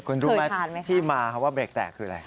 เคยทานไหมคะคุณรู้ไหมที่มาว่าเบรกแตกคืออะไร